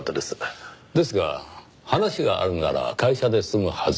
ですが話があるなら会社で済むはず。